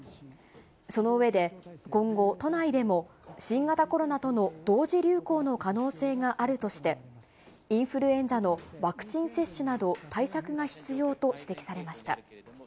その上で、今後、都内でも、新型コロナとの同時流行の可能性があるとして、インフルエンザのワクチン接種など、対策が必要と指摘されました。